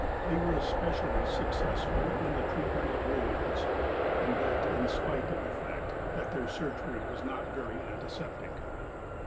They were especially successful in the treatment of wounds, and that in spite of the fact that their surgery was not very antiseptic.